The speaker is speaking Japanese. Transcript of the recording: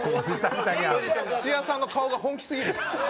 土屋さんの顔が本気すぎる。